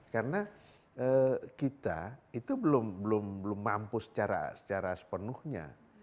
karena kita itu belum mampu secara sepenuhnya